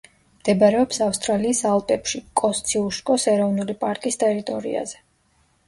მდებარეობს ავსტრალიის ალპებში, კოსციუშკოს ეროვნულ პარკის ტერიტორიაზე.